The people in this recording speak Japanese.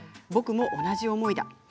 僕も同じ思いだ。